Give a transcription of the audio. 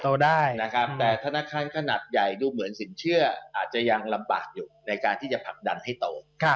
นะครับแต่ธนาคารขนาดใหญ่ดูเหมือนสินเชื่ออาจจะยังลำบากอยู่ในการที่จะผลักดันให้โต